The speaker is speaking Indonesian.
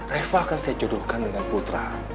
reva akan saya jodohkan dengan putra